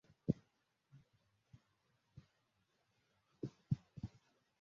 Pia Bandari ya Mtwara na Tanga katika taifa la Tanzania